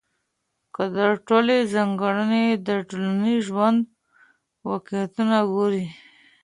دا ټولي څانګي د ټولنیز ژوند واقعیتونه ګوري.